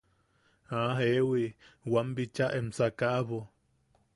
–¡Ah, jewi! wam bicha em sakaʼabo.